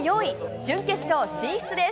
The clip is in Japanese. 準決勝進出です。